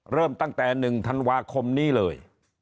เริ่มตั้งแต่๑ธันวาคมนี้เลย